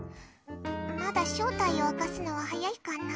まだ正体を明かすのは早いかな。